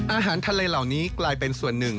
อาหารทะเลเหล่านี้กลายเป็นส่วนหนึ่ง